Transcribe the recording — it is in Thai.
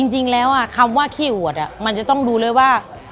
จริงแล้วคำว่าขี้อวดมันจะต้องดูเลยว่า